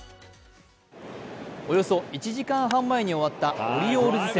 およそ１時間半前に終わったオリオールズ戦。